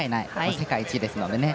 世界１位ですので。